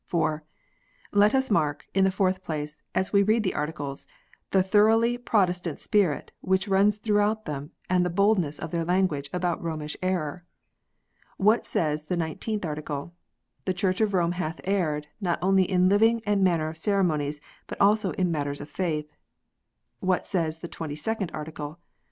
(4) Let us mark, in the fourth place, as we read the Articles, the thorouc/lily Protestant spirit which runs throughout them, and the boldness of their language about Romish error. What says the Nineteenth Article? "The Church of Rome hath erred, not only in living and manner of ceremonies, but also in matters of faith." What says the Twenty second Article?